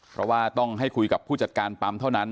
เพราะว่าต้องให้คุยกับผู้จัดการปั๊มเท่านั้น